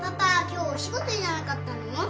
今日お仕事じゃなかったの？